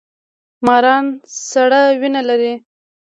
ماران سړه وینه لري